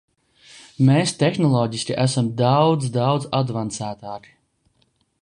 Mēs tehnoloģiski esam daudz, daudz advancētāki.